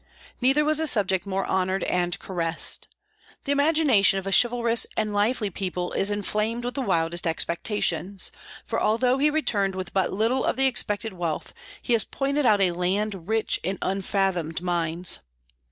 Never was a subject more honored and caressed. The imagination of a chivalrous and lively people is inflamed with the wildest expectations, for although he returned with but little of the expected wealth, he has pointed out a land rich in unfathomed mines.